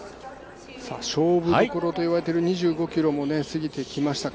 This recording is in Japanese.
勝負どころといわれている２５ｋｍも過ぎてきました